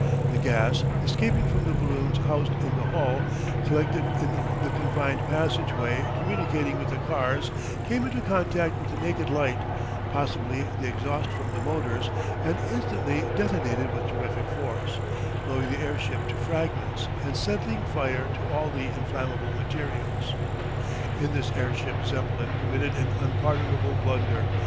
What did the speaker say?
The gas, escaping from the balloons housed in the hull, collected in the confined passage way communicating with the cars, came into contact with a naked light, possibly the exhaust from the motors, and instantly detonated with terrific force, blowing the airship to fragments and setting fire to all the inflammable materials. In this airship Zeppelin committed an unpardonable blunder.